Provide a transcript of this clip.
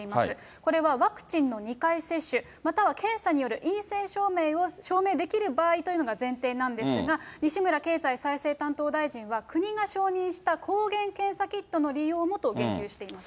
これはワクチンの２回接種、または検査による陰性証明を、証明できる場合というのが前提なんですが、西村経済再生担当大臣は、国が承認した抗原検査キットの利用もと言及しています。